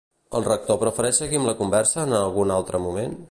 El Rector prefereix seguir amb la conversa en algun altre moment?